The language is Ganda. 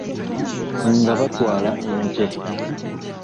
Nga batwaala ente.